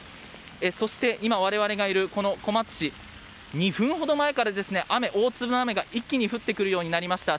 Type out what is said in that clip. そして、今、我々がいる小松市２分ほど前から大粒の雨が一気に降ってくるようになりました。